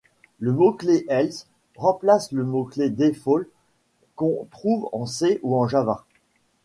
Le mot-clé else remplace le mot-clé default qu'on trouve en C ou en java.